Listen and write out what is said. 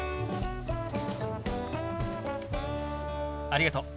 ありがとう。